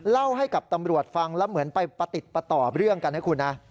เล่าให้กับตำรวจฟังแล้วเหมือนไปประติดประต่อเรื่องกันนะคุณนะ